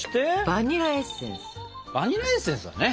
バニラエッセンスはね！